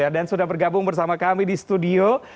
dan sudah bergabung bersama kami di studio